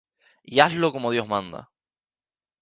y hazlo como Dios manda.